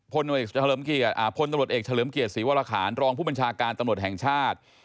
พลตำรวจเอกเฉลิมเกียรติศรีวรคารรองผู้บัญชาการตำรวจแห่งชาติ